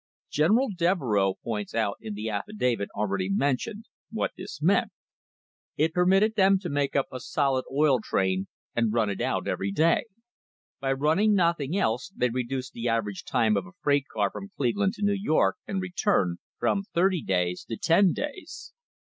General Devereux points out in the affidavit already mentioned * wjiat this meant. It permitted them to make up a solid oil train and run it out every day. By running nothing else they reduced the average time of a freight car from Cleveland to New York and return from thirty days to ten days.